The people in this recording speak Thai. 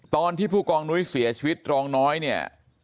ตอนที่ผู้กองนุ้ยเสียชีวิตรองน้อยเนี่ย